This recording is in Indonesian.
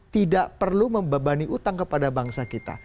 tidak perlu membebani utang kepada bangsa kita